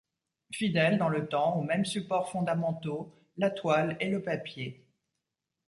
Fidèle dans le temps aux mêmes supports fondamentaux, la toile et le papier.